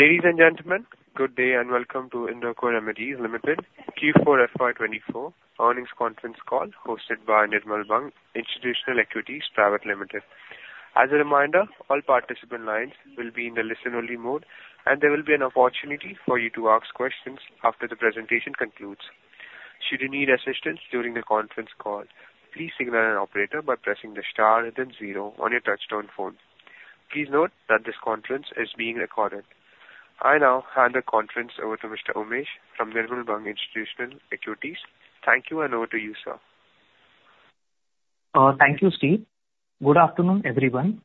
...Ladies and gentlemen, good day and welcome to Indoco Remedies Limited Q4 FY 2024 earnings conference call, hosted by Nirmal Bang Institutional Equities Private Limited. As a reminder, all participant lines will be in the listen-only mode, and there will be an opportunity for you to ask questions after the presentation concludes. Should you need assistance during the conference call, please signal an operator by pressing the star then zero on your touchtone phone. Please note that this conference is being recorded. I now hand the conference over to Mr. Umesh from Nirmal Bang Institutional Equities. Thank you, and over to you, sir. Thank you, Steve. Good afternoon, everyone.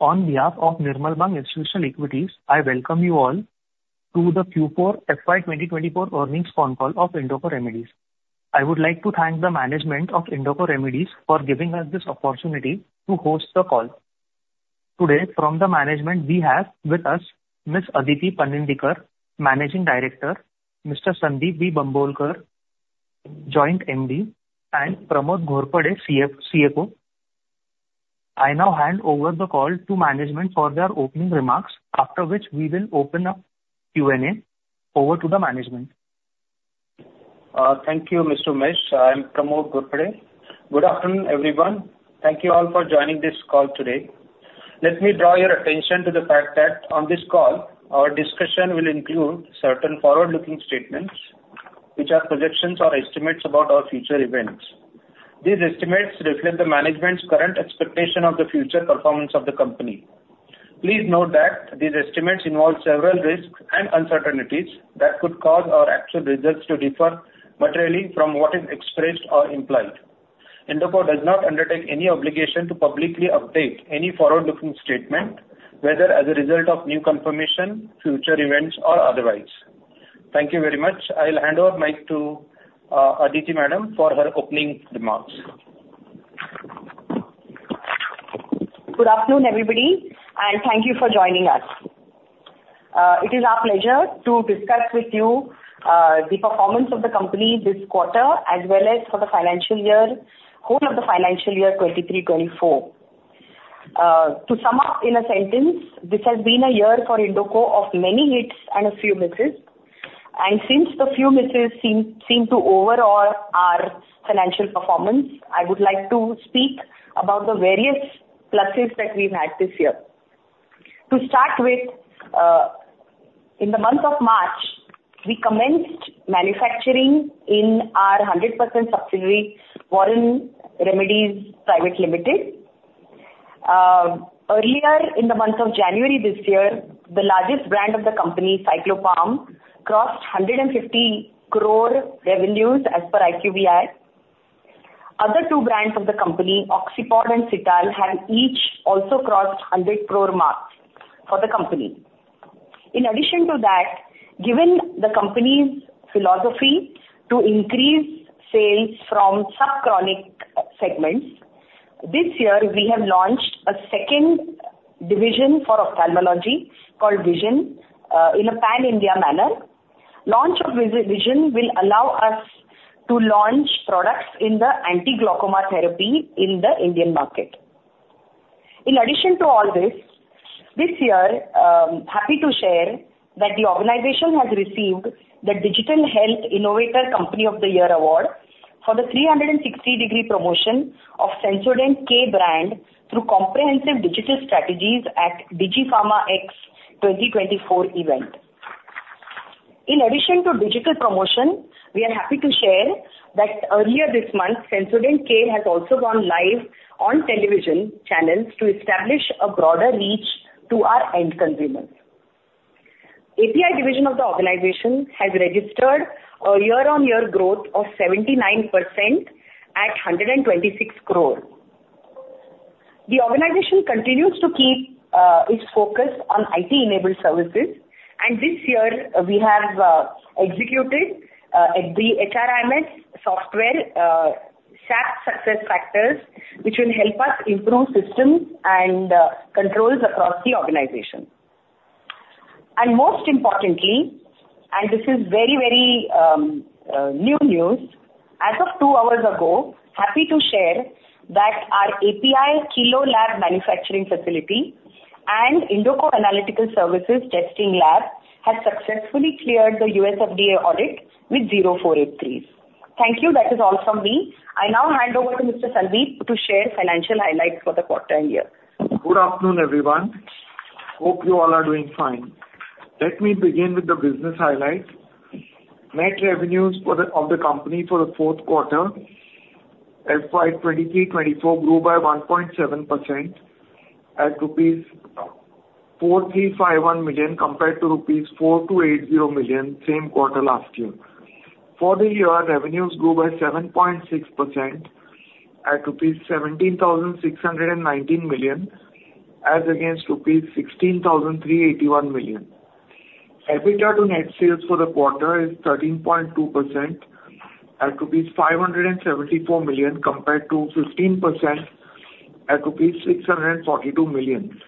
On behalf of Nirmal Bang Institutional Equities, I welcome you all to the Q4 FY 2024 earnings conference call of Indoco Remedies. I would like to thank the management of Indoco Remedies for giving us this opportunity to host the call. Today, from the management, we have with us Ms. Aditi Panandikar, Managing Director; Mr. Sundeep V. Bambolkar, Joint MD; and Mr. Pramod Ghorpade, CFO. I now hand over the call to management for their opening remarks, after which we will open up Q&A. Over to the management. Thank you, Mr. Umesh. I am Pramod Ghorpade. Good afternoon, everyone. Thank you all for joining this call today. Let me draw your attention to the fact that on this call, our discussion will include certain forward-looking statements, which are projections or estimates about our future events. These estimates reflect the management's current expectation of the future performance of the company. Please note that these estimates involve several risks and uncertainties that could cause our actual results to differ materially from what is expressed or implied. Indoco does not undertake any obligation to publicly update any forward-looking statement, whether as a result of new confirmation, future events, or otherwise. Thank you very much. I will hand over mic to, Aditi Madam for her opening remarks. Good afternoon, everybody, and thank you for joining us. It is our pleasure to discuss with you the performance of the company this quarter, as well as for the financial year, whole of the financial year 2023-2024. To sum up in a sentence, this has been a year for Indoco of many hits and a few misses, and since the few misses seem to overrule our financial performance, I would like to speak about the various pluses that we've had this year. To start with, in the month of March, we commenced manufacturing in our 100% subsidiary, Warren Remedies Private Limited. Earlier in the month of January this year, the largest brand of the company, Cyclopam, crossed 150 crore revenues as per IQVIA. Other two brands of the company, Oxipod and Cital, have each also crossed 100 crore marks for the company. In addition to that, given the company's philosophy to increase sales from subchronic segments, this year we have launched a second division for ophthalmology called Vision in a pan-India manner. Launch of Vision will allow us to launch products in the anti-glaucoma therapy in the Indian market. In addition to all this, this year, happy to share that the organization has received the Digital Health Innovator Company of the Year award for the 360-degree promotion of Sensodent-K brand through comprehensive digital strategies at DigiPharmaX 2024 event. In addition to digital promotion, we are happy to share that earlier this month, Sensodent-K has also gone live on television channels to establish a broader reach to our end consumers. API division of the organization has registered a year-on-year growth of 79% at 126 crore. The organization continues to keep its focus on IT-enabled services, and this year we have executed the HRMS software, SAP SuccessFactors, which will help us improve systems and controls across the organization. And most importantly, and this is very, very new news, as of two hours ago, happy to share that our API kilo lab manufacturing facility and Indoco Analytical Solutions testing lab has successfully cleared the U.S. FDA audit with zero 483s. Thank you. That is all from me. I now hand over to Mr. Sundeep to share financial highlights for the quarter and year. Good afternoon, everyone. Hope you all are doing fine. Let me begin with the business highlights. Net revenues of the company for the fourth quarter, FY 2023-24, grew by 1.7%, at rupees 435.1 million, compared to rupees 428.0 million, same quarter last year. For the year, revenues grew by 7.6% at rupees 17,619 million, as against rupees 16,381 million. EBITDA to net sales for the quarter is 13.2%, at rupees 574 million, compared to 15% at rupees 642 million.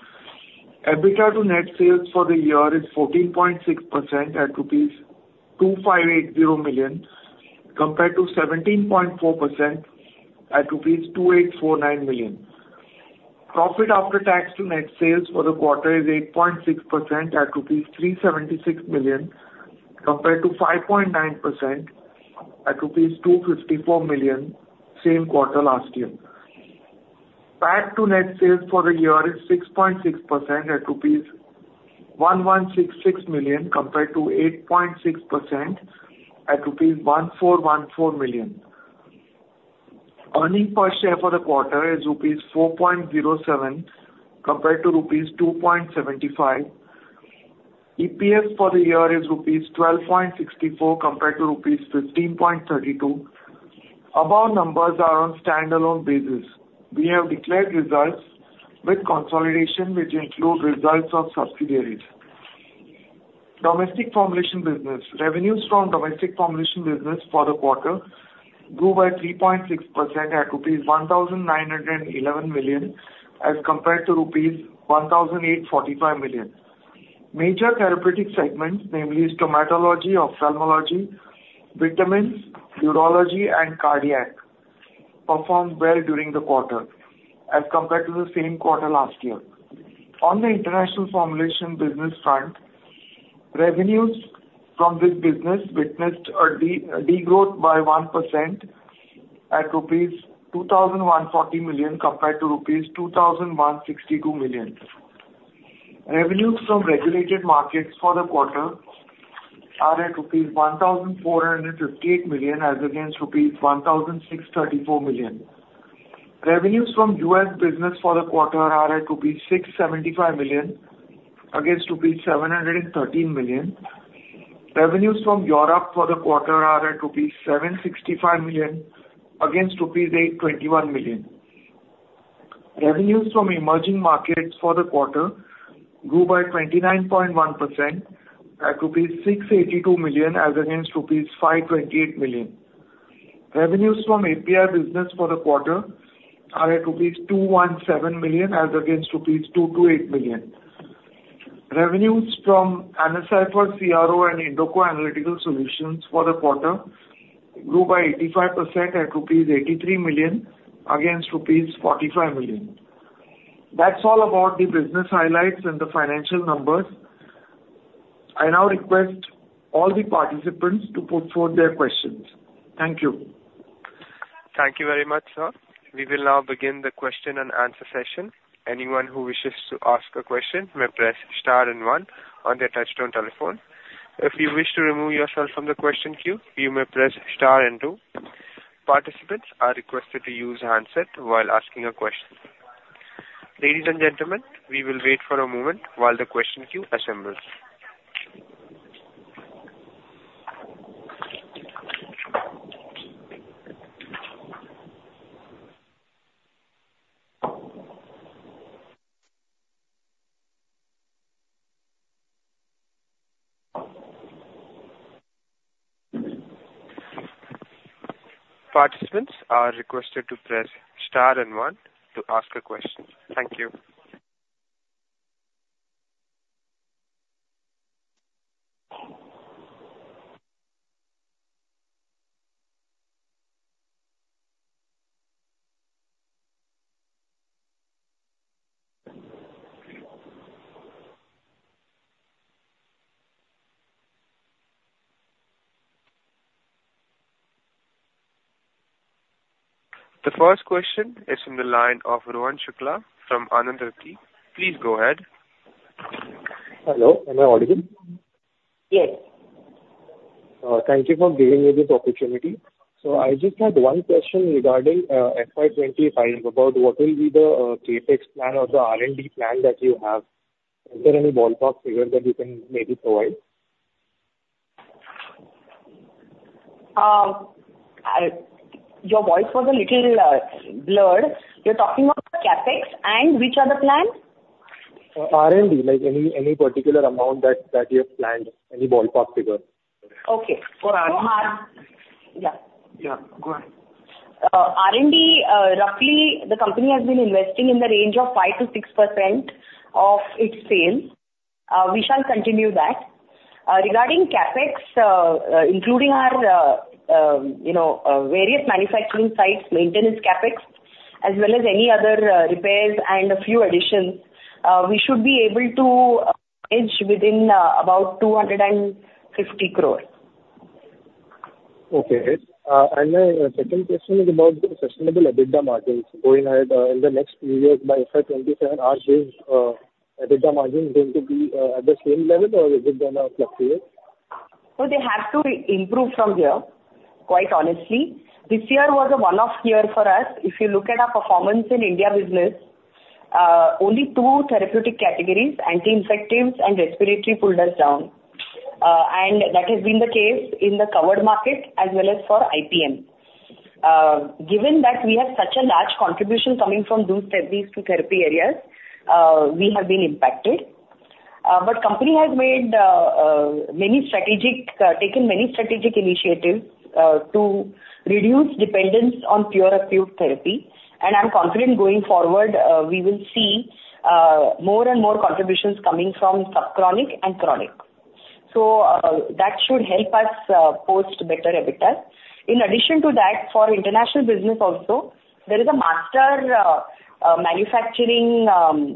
EBITDA to net sales for the year is 14.6% at rupees 2580 million, compared to 17.4% at rupees 2849 million. Profit after tax to net sales for the quarter is 8.6% at rupees 376 million, compared to 5.9% at rupees 254 million same quarter last year. PAT to net sales for the year is 6.6% at rupees 1166 million, compared to 8.6% at rupees 1414 million. Earnings per share for the quarter is rupees 4.07, compared to rupees 2.75. EPS for the year is rupees 12.64, compared to rupees 15.32. Above numbers are on standalone basis. We have declared results with consolidation, which include results of subsidiaries. Domestic formulation business. Revenues from domestic formulation business for the quarter grew by 3.6% at rupees 1,911 million, as compared to rupees 1,845 million. Major therapeutic segments, namely dermatology, ophthalmology, vitamins, urology, and cardiac, performed well during the quarter as compared to the same quarter last year. On the international formulation business front, revenues from this business witnessed a degrowth by 1% at rupees 2,140 million, compared to rupees 2,162 million. Revenues from regulated markets for the quarter are at rupees 1,458 million, as against rupees 1,634 million. Revenues from U.S. business for the quarter are at rupees 675 million, against rupees 713 million. Revenues from Europe for the quarter are at rupees 765 million, against rupees 821 million. Revenues from emerging markets for the quarter grew by 29.1% at rupees 682 million, as against rupees 528 million. Revenues from API business for the quarter are at rupees 217 million, as against rupees 228 million. Revenues from AnaCipher CRO and Indoco Analytical Solutions for the quarter grew by 85% at rupees 83 million, against rupees 45 million. That's all about the business highlights and the financial numbers. I now request all the participants to put forth their questions. Thank you. Thank you very much, sir. We will now begin the question and answer session. Anyone who wishes to ask a question may press star and one on their touchtone telephone. If you wish to remove yourself from the question queue, you may press star and two. Participants are requested to use handset while asking a question. Ladies and gentlemen, we will wait for a moment while the question queue assembles. Participants are requested to press star and one to ask a question. Thank you. The first question is from the line of Rohan Shukla from Anand Rathi. Please go ahead. Hello, am I audible? Yes. Thank you for giving me this opportunity. So I just had one question regarding FY 2025, about what will be the CapEx plan or the R&D plan that you have? Is there any ballpark figure that you can maybe provide? Your voice was a little blurred. You're talking about CapEx, and which other plan? R&D, like, any particular amount that you have planned, any ballpark figure? Okay. For R&D. Yeah. Yeah, go ahead. R&D, roughly, the company has been investing in the range of 5%-6% of its sales. We shall continue that. Regarding CapEx, including our, you know, various manufacturing sites, maintenance CapEx, as well as any other, repairs and a few additions, we should be able to edge within, about 250 crores. Okay. And my second question is about the sustainable EBITDA margins going ahead, in the next few years by FY 2025, are these EBITDA margins going to be at the same level, or is it going to fluctuate? So they have to improve from here, quite honestly. This year was a one-off year for us. If you look at our performance in India business, only two therapeutic categories, anti-infectives and respiratory, pulled us down. And that has been the case in the covered market as well as for IPM. Given that we have such a large contribution coming from those therapies, therapy areas, we have been impacted. But company has taken many strategic initiatives to reduce dependence on pure acute therapy, and I'm confident going forward, we will see more and more contributions coming from subchronic and chronic.... So, that should help us post better EBITDA. In addition to that, for international business also, there is a master manufacturing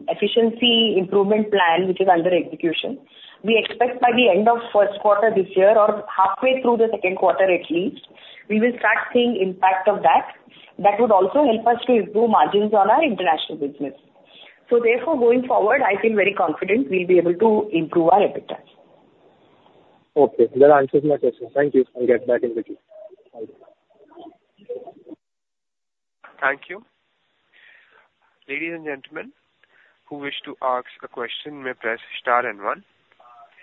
efficiency improvement plan which is under execution. We expect by the end of first quarter this year or halfway through the second quarter at least, we will start seeing impact of that. That would also help us to improve margins on our international business. So therefore, going forward, I feel very confident we'll be able to improve our EBITDA. Okay, that answers my question. Thank you. I'll get back in the queue. Thank you. Ladies and gentlemen, who wish to ask a question may press star and one.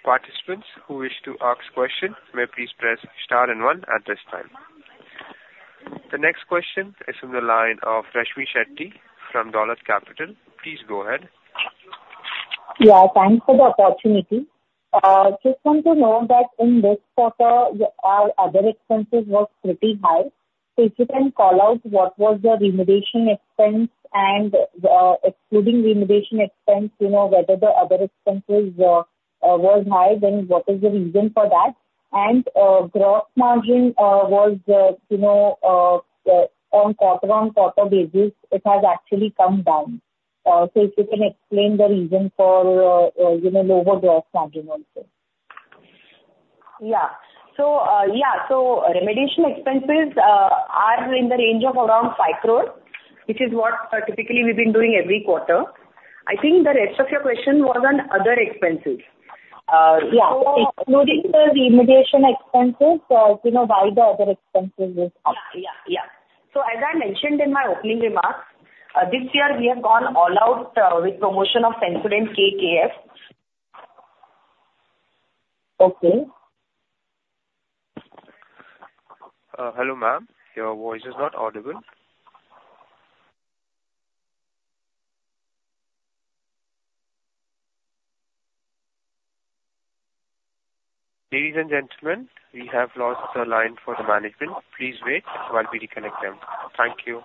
Participants who wish to ask question, may please press star and one at this time. The next question is from the line of Rashmi Shetty from Dolat Capital. Please go ahead. Yeah, thanks for the opportunity. Just want to know that in this quarter, our other expenses was pretty high. So if you can call out what was the remediation expense and, excluding remediation expense, you know, whether the other expenses was high, then what is the reason for that? And, gross margin was, you know, on quarter-on-quarter basis, it has actually come down. So if you can explain the reason for, you know, lower gross margin also. So, remediation expenses are in the range of around 5 crore, which is what typically we've been doing every quarter. I think the rest of your question was on other expenses. Yeah. Excluding the remediation expenses, you know, why the other expenses is- Yeah, yeah, yeah. So as I mentioned in my opening remarks, this year we have gone all out, with promotion of Sensodent-K. Okay. Hello, ma'am, your voice is not audible. Ladies and gentlemen, we have lost the line for the management. Please wait while we reconnect them. Thank you.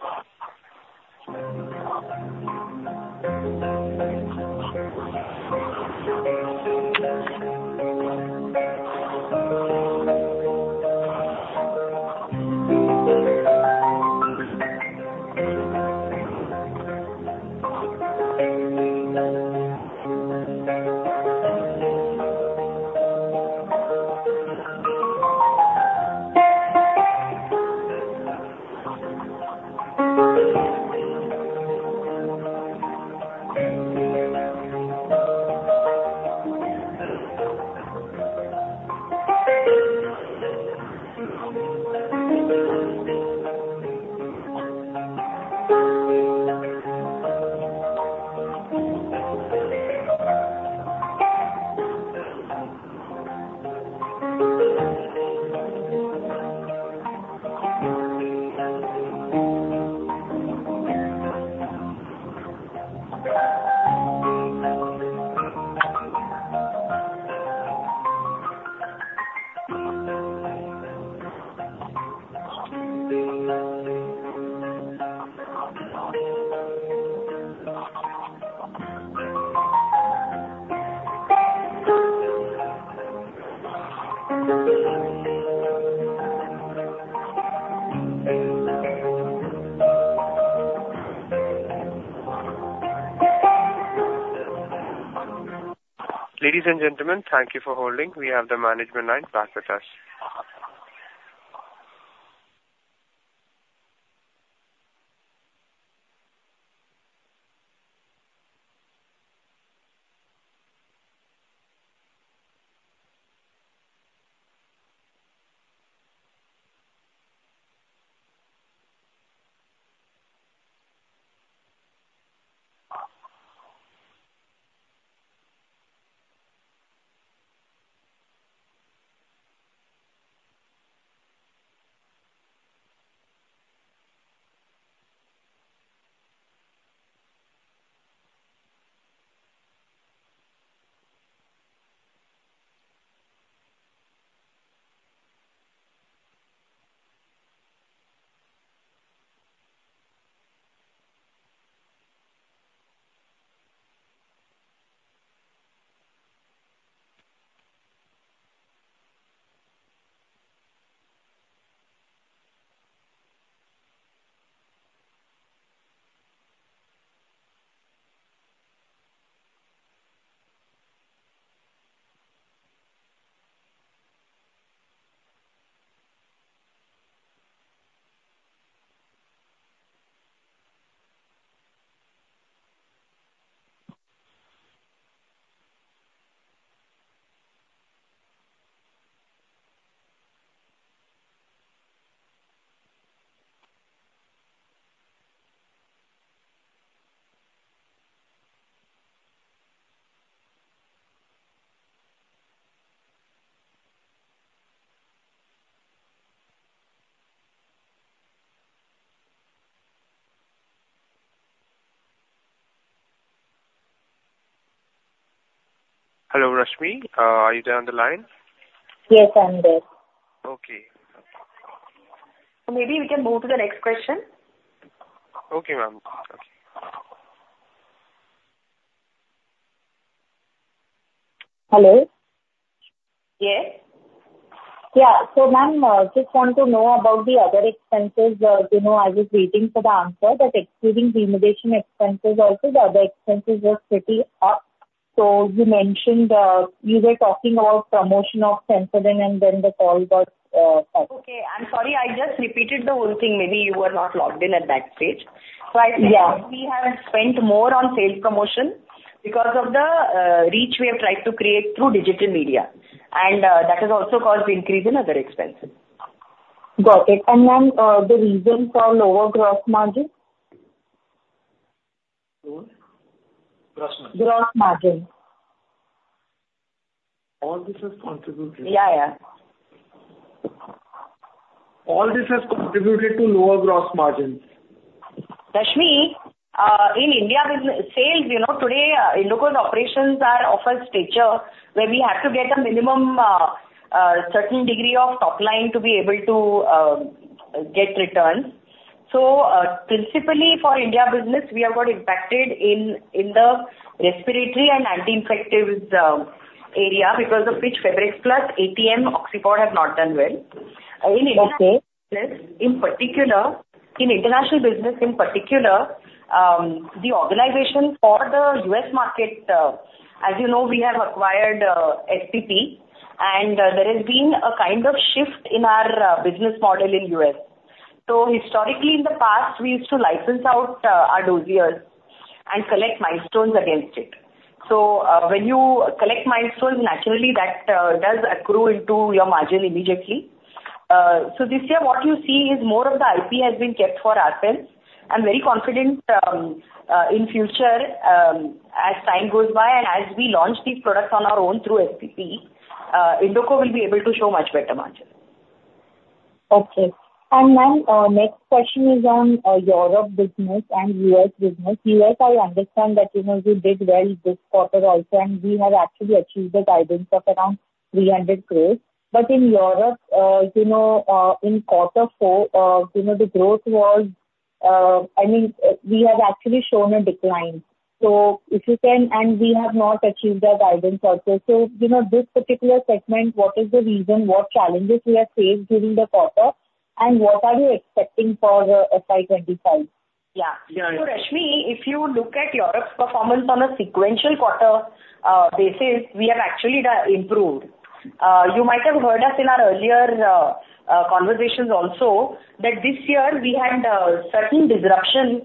Ladies and gentlemen, thank you for holding. We have the management line back with us. Hello, Rashmi. Are you there on the line? Yes, I'm there. Okay. Maybe we can move to the next question. Okay, ma'am.... Hello? Yes. Yeah. So, ma'am, just want to know about the other expenses. You know, I was waiting for the answer, but excluding remediation expenses also, the other expenses were pretty up. So you mentioned, you were talking about promotion of Sensodent, and then the call got, cut. Okay. I'm sorry, I just repeated the whole thing. Maybe you were not logged in at that stage. Yeah. I said we have spent more on sales promotion because of the reach we have tried to create through digital media, and that has also caused the increase in other expenses. Got it. And ma'am, the reason for lower gross margin? Lower gross margin. Gross margin. All this has contributed- Yeah, yeah. All this has contributed to lower gross margins. Rashmi, in India, business sales, you know, today, Indoco operations are of a stature where we have to get a minimum, certain degree of top line to be able to, get returns. So, principally for India business, we have got impacted in the respiratory and anti-infectives, area, because of which Febrex Plus, ATM, Oxipod have not done well. Okay. In international business, in particular, the organization for the U.S. market, as you know, we have acquired FPP, and there has been a kind of shift in our business model in U.S. So historically, in the past, we used to license out our dossiers and collect milestones against it. So, when you collect milestones, naturally, that does accrue into your margin immediately. So this year, what you see is more of the IP has been kept for ourselves. I'm very confident, in future, as time goes by and as we launch these products on our own through FPP, Indoco will be able to show much better margins. Okay. And ma'am, next question is on Europe business and U.S. business. U.S., I understand that, you know, you did well this quarter also, and we have actually achieved the guidance of around 300 crore. But in Europe, you know, in quarter four, you know, the growth was, I mean, we have actually shown a decline. So if you can... And we have not achieved the guidance also. So, you know, this particular segment, what is the reason, what challenges we have faced during the quarter, and what are you expecting for FY 2025? Yeah. Yeah. So, Rashmi, if you look at Europe's performance on a sequential quarter, basis, we have actually improved. You might have heard us in our earlier, conversations also, that this year, we had, certain disruption,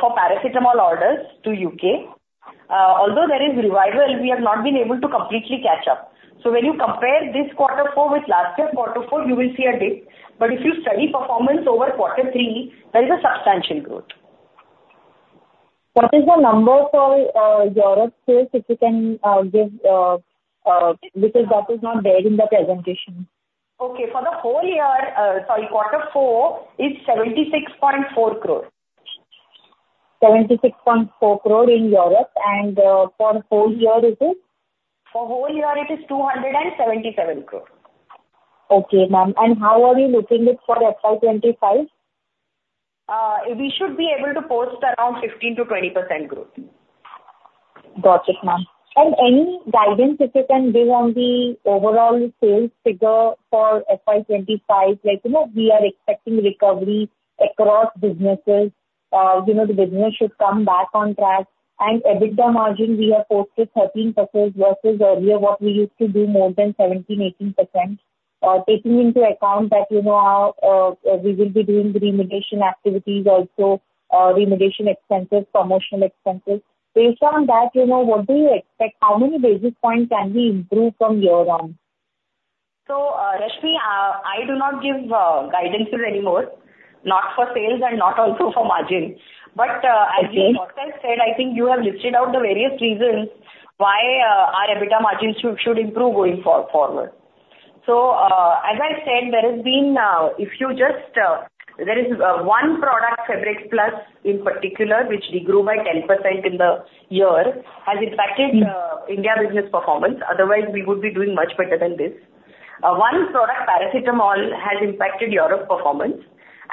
for paracetamol orders to U.K. Although there is revival, we have not been able to completely catch up. So when you compare this quarter four with last year, quarter four, you will see a dip. But if you study performance over quarter three, there is a substantial growth. What is the number for Europe sales, if you can give, because that is not there in the presentation? Okay. For the whole year, quarter four, is 76.4 crores. 76.4 crore in Europe, and, for whole year, is it? For whole year, it is 277 crore. Okay, ma'am. How are we looking at it for FY 2025? We should be able to post around 15%-20% growth. Got it, ma'am. Any guidance you can give on the overall sales figure for FY 2025? Like, you know, we are expecting recovery across businesses. You know, the business should come back on track. EBITDA margin, we have posted 13% versus earlier, what we used to do more than 17%-18%. Taking into account that, you know, we will be doing the remediation activities, also, remediation expenses, promotional expenses. Based on that, you know, what do you expect, how many basis points can we improve from here on? So, Rashmi, I do not give guidance anymore, not for sales and not also for margin. Okay. But, as myself said, I think you have listed out the various reasons why our EBITDA margins should improve going forward. So, as I said, there is one product, Febrex Plus, in particular, which de-grew by 10% in the year, has impacted- Mm... India business performance. Otherwise, we would be doing much better than this. One product, paracetamol, has impacted Europe performance,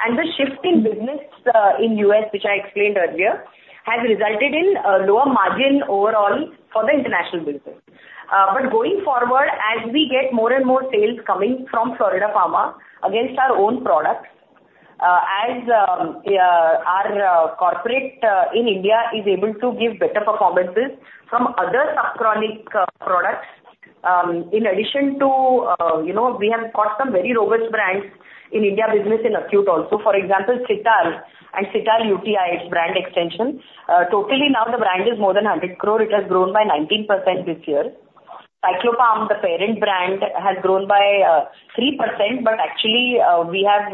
and the shift in business, in U.S., which I explained earlier, has resulted in a lower margin overall for the international business. But going forward, as we get more and more sales coming from Florida Pharma against our own products, as our corporate in India is able to give better performances from other subchronic products. In addition to, you know, we have got some very robust brands in India business, in Acute also. For example, Cital and Cital UTI, its brand extension. Totally now the brand is more than 100 crore. It has grown by 19% this year. Cyclopam, the parent brand, has grown by 3%, but actually, we have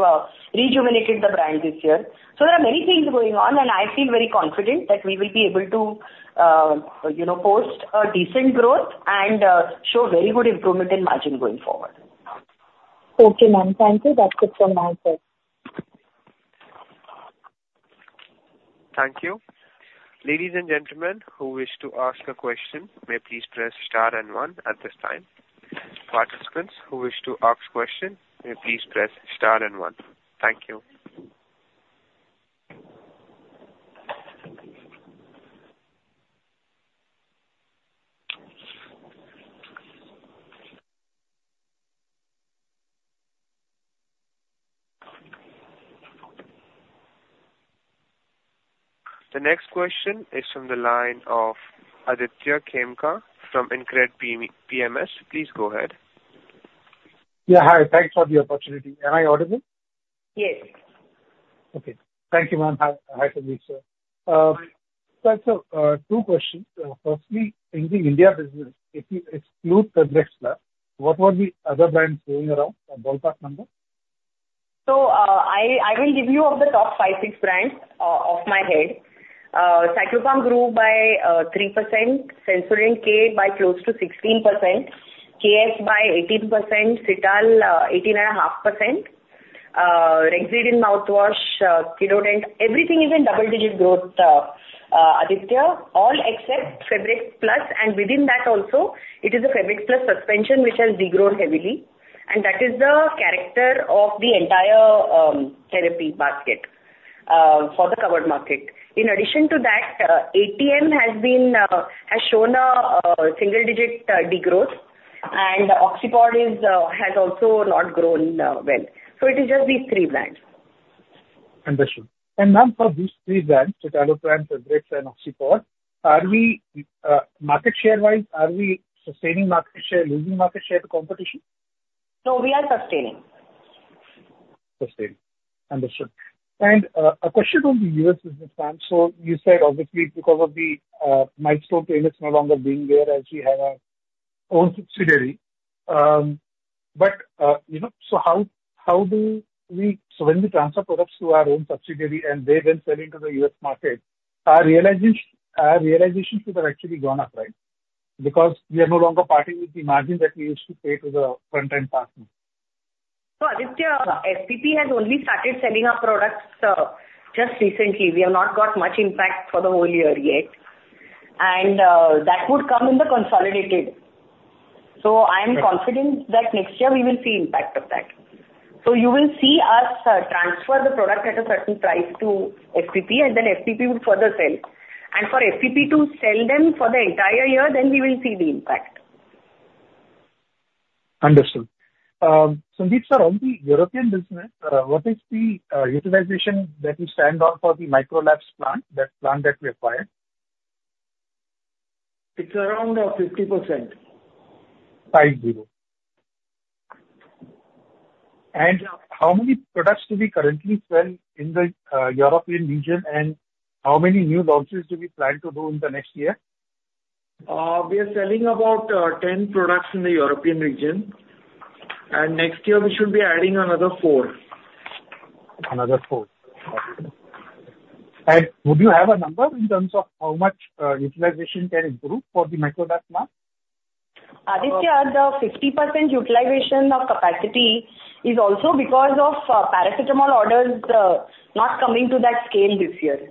rejuvenated the brand this year. So there are many things going on, and I feel very confident that we will be able to, you know, post a decent growth and show very good improvement in margin going forward. Okay, ma'am. Thank you. That's it from my side. Thank you. Ladies and gentlemen, who wish to ask a question, may please press star and one at this time. Participants who wish to ask question, may please press star and one. Thank you. The next question is from the line of Aditya Khemka from InCred PMS. Please go ahead. Yeah, hi. Thanks for the opportunity. Am I audible? Yes. Okay. Thank you, ma'am. Hi, hi, Sundeep, sir. So, two questions. Firstly, in the India business, if you exclude Febrex Plus, what were the other brands going around, a ballpark number? So, I will give you the top five, six brands off my head. Cyclopam grew by 3%, Sensodent-K by close to 16%, KF by 18%, Cital 18.5%. Rexidin mouthwash, Kidodent, everything is in double-digit growth, Aditya, all except Febrex Plus, and within that also, it is the Febrex Plus suspension which has de-grown heavily. And that is the character of the entire therapy basket for the covered market. In addition to that, ATM has shown a single-digit de-growth, and Oxipod has also not grown well. So it is just these three brands. Understood. And Ma'am, for these three brands, Cyclopam, Febrex, and Oxipod, are we, market share-wise, are we sustaining market share, losing market share to competition? No, we are sustaining. Sustaining. Understood. And, a question on the U.S. business, Ma'am. So you said obviously because of the middleman is no longer being there as we have our own subsidiary. But, you know, so how, how do we... So when we transfer products to our own subsidiary and they then sell into the U.S. market, our realization, our realizations should have actually gone up, right? Because we are no longer parting with the margin that we used to pay to the front-end partner. So Aditya- Yeah.... FPP has only started selling our products just recently. We have not got much impact for the whole year yet. And, that would come in the consolidated. Right. So I am confident that next year we will see impact of that. So you will see us, transfer the product at a certain price to FPP, and then FPP would further sell. And for FPP to sell them for the entire year, then we will see the impact. Understood. Sundeep, sir, on the European business, what is the utilization that you stand on for the Micro Labs plant, that plant that we acquired? It's around 50%. 50. How many products do we currently sell in the European region, and how many new launches do we plan to do in the next year? We are selling about 10 products in the European region, and next year we should be adding another four. Another four. Okay. And would you have a number in terms of how much utilization can improve for the Micro Labs plant? Aditya, the 50% utilization of capacity is also because of paracetamol orders not coming to that scale this year.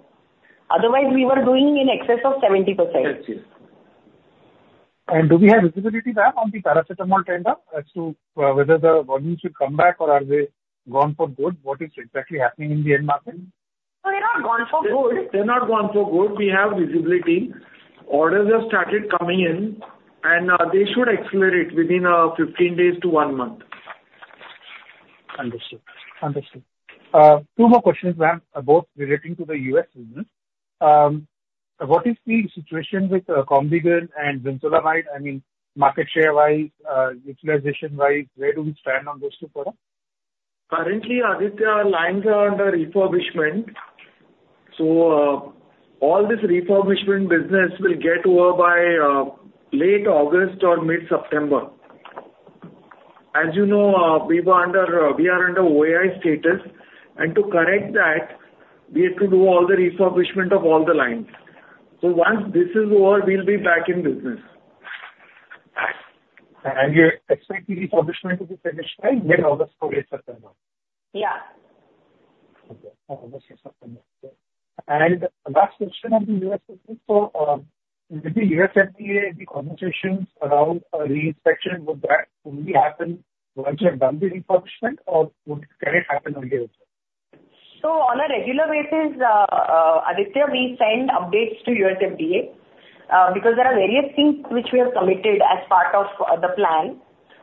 Otherwise, we were doing in excess of 70%. Yes, yes. And do we have visibility back on the paracetamol trend up, as to whether the volumes should come back or are they gone for good? What is exactly happening in the end market? They're not gone for good. They're not gone for good. We have visibility. Orders have started coming in, and they should accelerate within 15 days to one month. Understood. Understood. Two more questions, ma'am, both relating to the U.S. business. What is the situation with Combigan and brinzolamide, I mean, market share-wise, utilization-wise, where do we stand on those two products? Currently, Aditya, lines are under refurbishment. So, all this refurbishment business will get over by, late August or mid-September. As you know, we were under, we are under OAI status, and to correct that, we have to do all the refurbishment of all the lines. So once this is over, we'll be back in business. You expect the refurbishment to be finished by mid-August or late September? Yeah. Okay. August or September. Last question on the U.S. business. So, with the U.S. FDA, the conversations around reinspection, would that only happen once you've done the refurbishment, or can it happen again also? So on a regular basis, Aditya, we send updates to U.S. FDA, because there are various things which we have committed as part of the plan.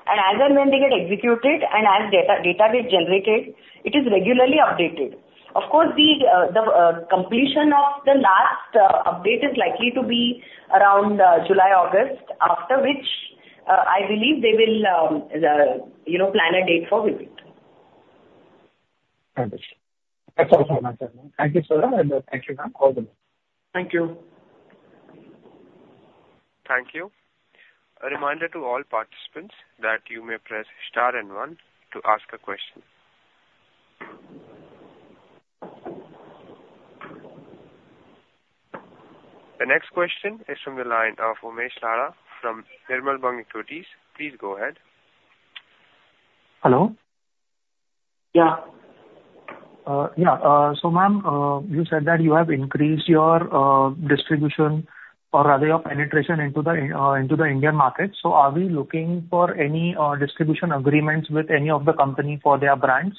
And as and when they get executed and as data gets generated, it is regularly updated. Of course, the completion of the last update is likely to be around July, August, after which, I believe they will, you know, plan a date for visit. Understood. That's all for now, thank you, sir, and thank you, ma'am. All the best. Thank you. Thank you. A reminder to all participants that you may press star and one to ask a question. The next question is from the line of Umesh Laddha from Nirmal Bang Equities. Please go ahead. Hello? Yeah. Yeah, so ma'am, you said that you have increased your distribution, or rather your penetration into the Indian market. So are we looking for any distribution agreements with any of the company for their brands?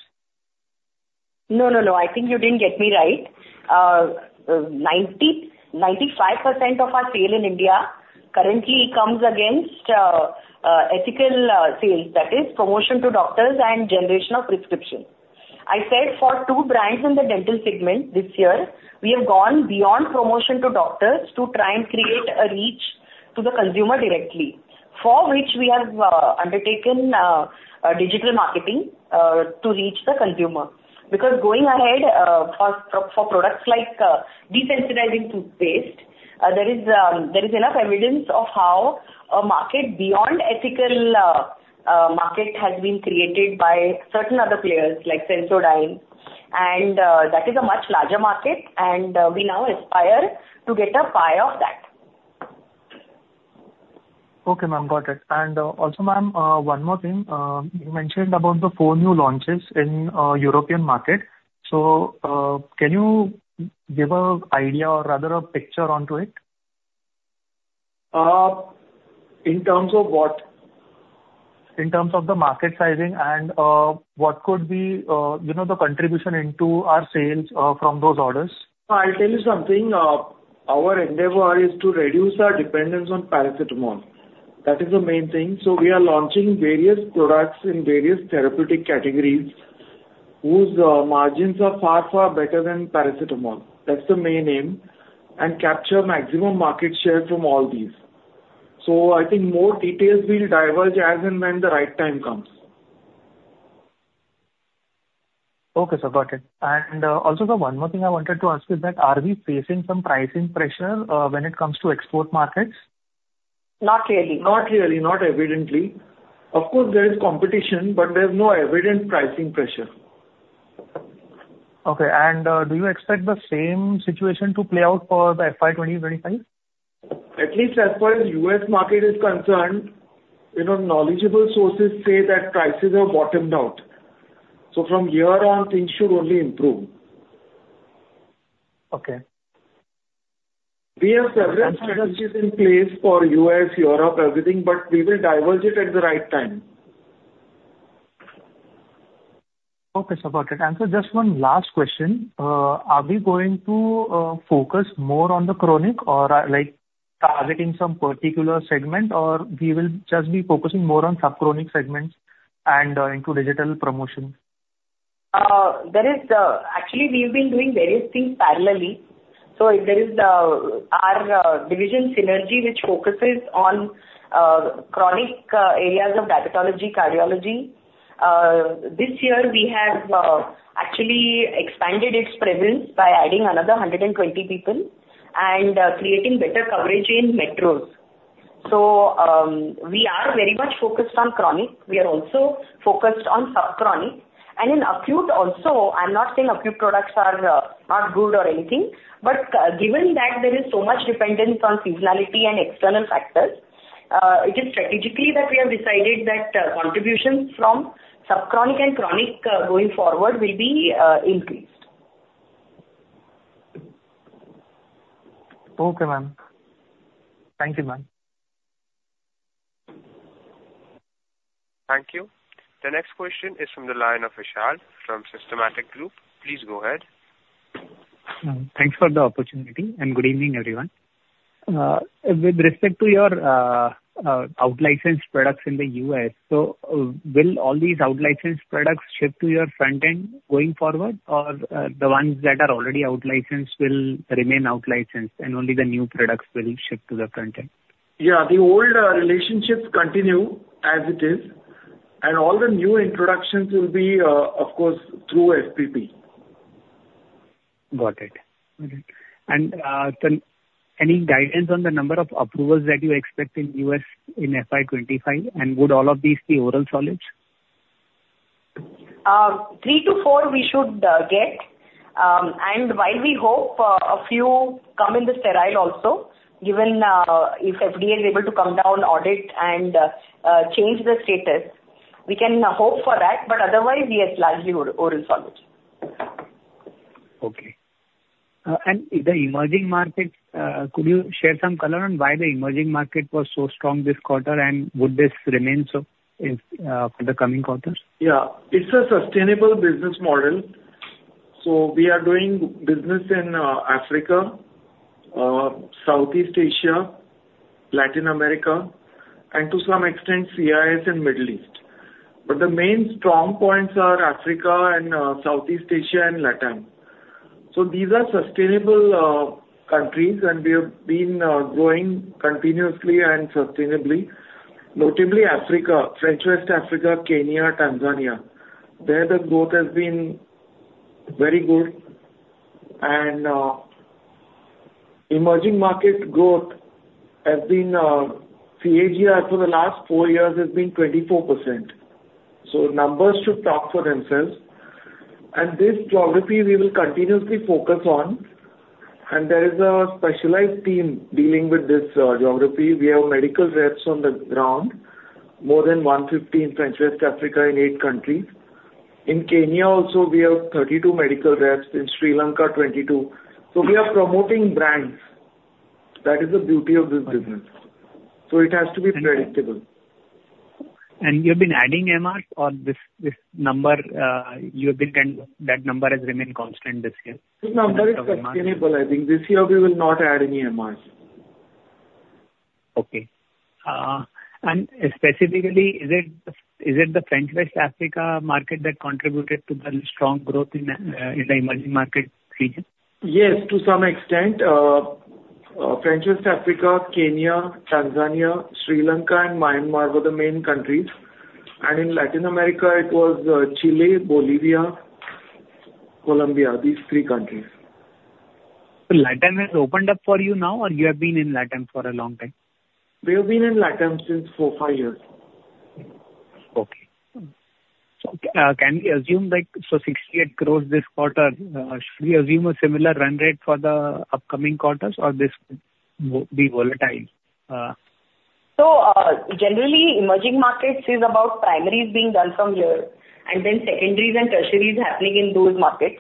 No, no, no, I think you didn't get me right. 95% of our sale in India currently comes against ethical sales, that is promotion to doctors and generation of prescription. I said for two brands in the dental segment this year, we have gone beyond promotion to doctors to try and create a reach to the consumer directly, for which we have undertaken digital marketing to reach the consumer. Because going ahead, for products like desensitizing toothpaste, there is enough evidence of how a market beyond ethical market has been created by certain other players, like Sensodyne. And that is a much larger market, and we now aspire to get a pie of that. Okay, ma'am. Got it. And, also, ma'am, one more thing. You mentioned about the four new launches in European market. So, can you give an idea or rather a picture onto it? In terms of what? In terms of the market sizing and, what could be, you know, the contribution into our sales, from those orders. I'll tell you something. Our endeavor is to reduce our dependence on paracetamol. That is the main thing. So we are launching various products in various therapeutic categories, whose margins are far, far better than paracetamol. That's the main aim. And capture maximum market share from all these. So I think more details we'll divulge as and when the right time comes. Okay, sir. Got it. And, also, sir, one more thing I wanted to ask is that, are we facing some pricing pressure, when it comes to export markets? Not really. Not really, not evidently. Of course, there is competition, but there's no evident pricing pressure. Okay. And, do you expect the same situation to play out for the FY 2025? At least as far as U.S. market is concerned, you know, knowledgeable sources say that prices have bottomed out. So from here on, things should only improve. Okay. We have several strategies in place for U.S., Europe, everything, but we will divulge it at the right time. Okay, sir. Got it. And so just one last question. Are we going to focus more on the chronic or like targeting some particular segment? Or we will just be focusing more on subchronic segments and into digital promotions? Actually, we've been doing various things parallelly. So there is our division Synergy, which focuses on chronic areas of diabetology, cardiology. This year we have actually expanded its presence by adding another 120 people and creating better coverage in metros. So we are very much focused on chronic. We are also focused on subchronic. And in acute also, I'm not saying acute products are not good or anything, but given that there is so much dependence on seasonality and external factors, it is strategically that we have decided that contributions from subchronic and chronic going forward will be increased. Okay, ma'am. Thank you, ma'am. Thank you. The next question is from the line of Vishal from Systematix Group. Please go ahead. Thanks for the opportunity, and good evening, everyone. With respect to your out licensed products in the U.S., so, will all these out licensed products shift to your front end going forward? Or, the ones that are already out licensed will remain out licensed, and only the new products will shift to the front end? Yeah, the old relationships continue as it is, and all the new introductions will be, of course, through FPP. Got it. Got it. And, any guidance on the number of approvals that you expect in the U.S. in FY 2025? And would all of these be oral solids? Three to four we should get. And while we hope a few come in the sterile also, given if FDA is able to come down, audit, and change the status, we can hope for that, but otherwise, yes, largely oral solids. Okay. In the emerging markets, could you share some color on why the emerging market was so strong this quarter? Would this remain so if for the coming quarters? Yeah. It's a sustainable business model. So we are doing business in Africa, Southeast Asia, Latin America, and to some extent, CIS and Middle East. But the main strong points are Africa and Southeast Asia and Latin. So these are sustainable countries, and we have been growing continuously and sustainably, notably Africa, French West Africa, Kenya, Tanzania. There, the growth has been very good. And emerging market growth has been CAGR for the last four years has been 24%. So numbers should talk for themselves. And this geography we will continuously focus on, and there is a specialized team dealing with this geography. We have medical reps on the ground, more than 115 French West Africa in eight countries.... In Kenya also, we have 32 medical reps, in Sri Lanka, 22. So we are promoting brands. That is the beauty of this business, so it has to be predictable. You've been adding MR or this, this number, that number has remained constant this year? This number is sustainable. I think this year we will not add any MRs. Okay. And specifically, is it, is it the French West Africa market that contributed to the strong growth in the emerging market region? Yes, to some extent. French West Africa, Kenya, Tanzania, Sri Lanka, and Myanmar were the main countries, and in Latin America it was, Chile, Bolivia, Colombia, these three countries. Latin has opened up for you now, or you have been in Latin for a long time? We have been in Latin since four, five years. Okay. So, can we assume, like, so 68 crore this quarter, should we assume a similar run rate for the upcoming quarters, or this will be volatile? So, generally, emerging markets is about primaries being done from here, and then secondaries and tertiaries happening in those markets.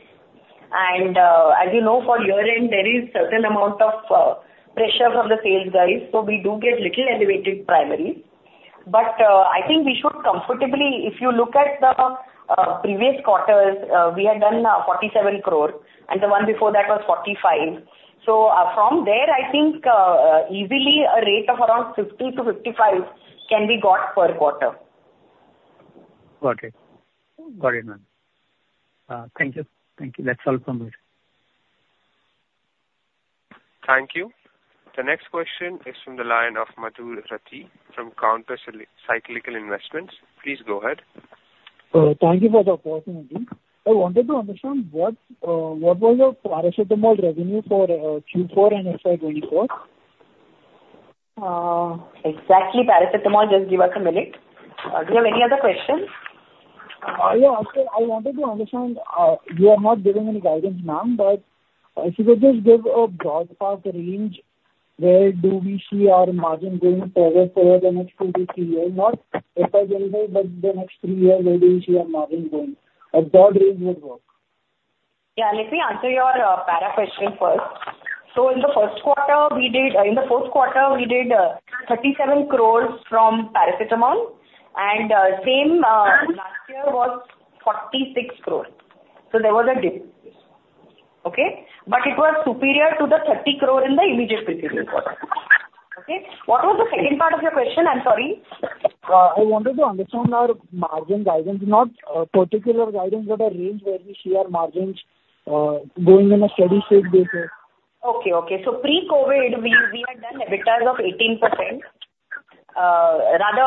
And, as you know, for year-end, there is certain amount of, pressure from the sales guys, so we do get little elevated primary. But, I think we should comfortably. If you look at the, previous quarters, we had done, 47 crore, and the one before that was 45 crore. So from there, I think, easily a rate of around 50 crore-55 crore can be got per quarter. Got it. Got it, ma'am. Thank you. Thank you. That's all from me. Thank you. The next question is from the line of Madhur Rathi from Counter Cyclical Investments. Please go ahead. Thank you for the opportunity. I wanted to understand what, what was your paracetamol revenue for, Q4 and FY 2024? Exactly paracetamol, just give us a minute. Do you have any other questions? Yeah, after, I wanted to understand, you are not giving any guidance, ma'am, but if you could just give a broad path range, where do we see our margin going forward, forward the next two to three years? Not exactly, but the next three years, where do we see our margin going? A broad range would work. Yeah, let me answer your paracetamol question first. So in the first quarter, we did— In the fourth quarter, we did 37 crore from paracetamol, and same last year was 46 crore. So there was a dip. Okay? But it was superior to the 30 crore in the immediate previous quarter. Okay. What was the second part of your question? I'm sorry. I wanted to understand our margin guidance, not particular guidance, but a range where we see our margins going in a steady state basis. Okay, okay. So pre-COVID, we, we had done EBITDAs of 18%, rather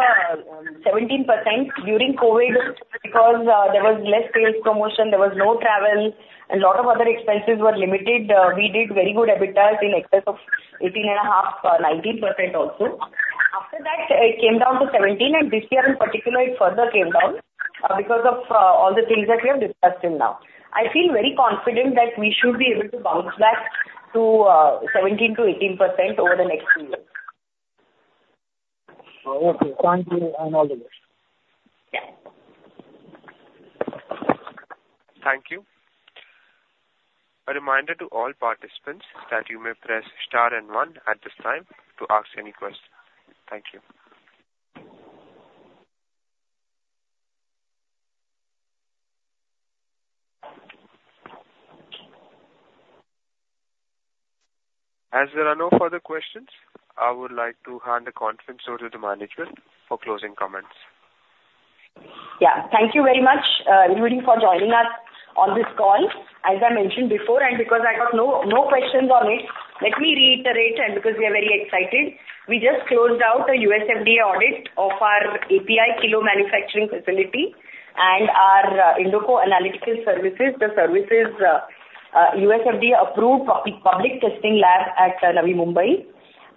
17%. During COVID, because there was less sales promotion, there was no travel, and a lot of other expenses were limited, we did very good EBITDAs in excess of 18.5%, 19% also. After that, it came down to 17%, and this year in particular, it further came down, because of all the things that we have discussed till now. I feel very confident that we should be able to bounce back to 17%-18% over the next three years. Okay. Thank you, and all the best. Yeah. Thank you. A reminder to all participants that you may press star and one at this time to ask any questions. Thank you. As there are no further questions, I would like to hand the conference over to the management for closing comments. Yeah. Thank you very much, everybody, for joining us on this call. As I mentioned before, and because I got no, no questions on it, let me reiterate, and because we are very excited, we just closed out a U.S. FDA audit of our API kilo manufacturing facility and our Indoco Analytical Solutions, the services, U.S. FDA approved public testing lab at Navi Mumbai,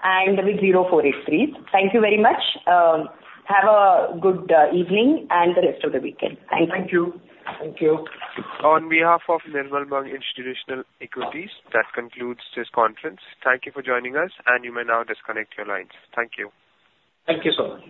and with zero 483s. Thank you very much. Have a good evening and the rest of the weekend. Thank you. Thank you. Thank you. On behalf of Nirmal Bang Institutional Equities, that concludes this conference. Thank you for joining us, and you may now disconnect your lines. Thank you. Thank you so much.